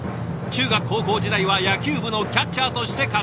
中学高校時代は野球部のキャッチャーとして活躍。